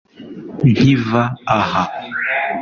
nkiva aha